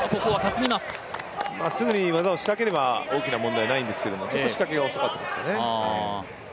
すぐに技を仕掛ければ、大きな問題はないんですがちょっと仕掛けが遅かったですかね。